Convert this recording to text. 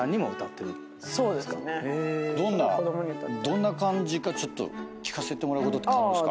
どんな感じか聞かせてもらうことって可能ですか？